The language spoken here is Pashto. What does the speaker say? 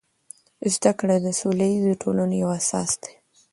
زده کړه د سوله ییزو ټولنو یو اساس دی.